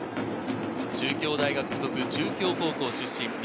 中京大学付属中京高校出身。